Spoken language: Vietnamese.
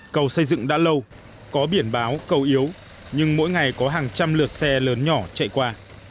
cầu xây dựng đã lâu có biển báo cầu yếu nhưng mỗi ngày có hàng trăm lượt xe lớn nhỏ chạy qua